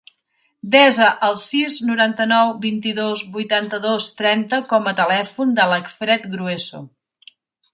Desa el sis, noranta-nou, vint-i-dos, vuitanta-dos, trenta com a telèfon de l'Acfred Grueso.